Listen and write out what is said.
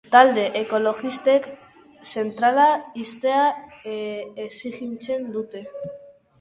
Talde ekologistek zentrala ixtea exijitzen dute.